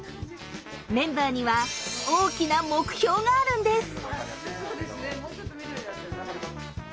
メンバーには大きな目標があるんです。